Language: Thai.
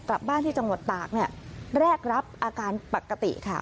กลับบ้านที่จังหวัดตากเนี่ยแรกรับอาการปกติค่ะ